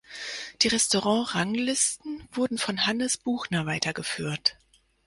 Die „Restaurant-Ranglisten“ wurden von Hannes Buchner weitergeführt.